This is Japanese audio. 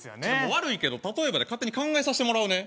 悪いけど例えばで勝手に考えさせてもらうね。